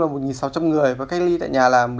là một sáu trăm linh người và cách ly tại nhà là